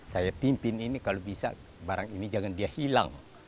saya pimpin ini kalau bisa barang ini jangan dia hilang